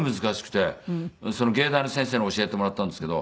芸大の先生に教えてもらったんですけど。